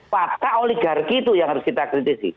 fakta oligarki itu yang harus kita kritisi